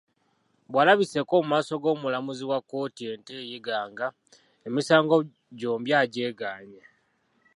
Bw'alabiseeko mu maaso g'omulamuzi wa kkooti ento e Iganga, emisango gyombi agyegaanye.